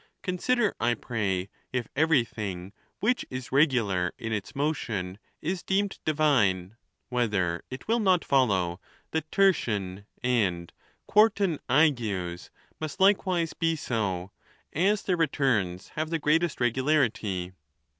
Con sider, I pray, if everything which is regular in its motion is deemed divine, whether it will not follow that tertian and quartan agues must likewise be so, as their returns have the greatest regularity.